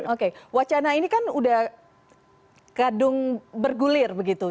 oke wacana ini kan udah kadung bergulir begitu